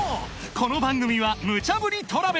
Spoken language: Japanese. この番組は『ムチャぶりトラベラー』］